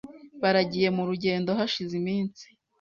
Baragiye murugendo hashize iminsi .